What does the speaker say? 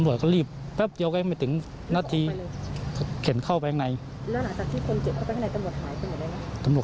อาการคนเจ็บตอนนั้นเป็นยังไงบ้าง